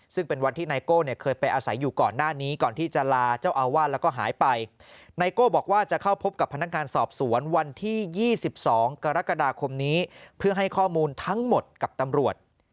ซึ่งเป็นวันที่ไนโก้เนี่ยเคยไปอาศัยอยู่ก่อนหน้านี้ก่อนที่จะลาเจ้าอาวาสแล้วก็หายไปไนโก้บอกว่าจะเข้าพบกับพนักงานสอบสวนวันที่๒๒กรกฎาคมนี้เพื่อให้ข้อมูลทั้งหมดกับตำรวจ